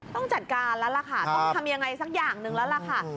ต้องจัดการแล้วล่ะค่ะต้องทำยังไงสักอย่างหนึ่งแล้วล่ะค่ะ